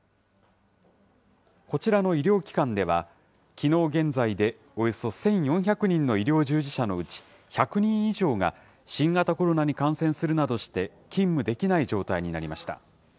こちらの医療機関では、きのう現在で、およそ１４００人の医療従事者のうち、１００人以上が、新型コロナに感染するなどして、勤務できない状態になりました。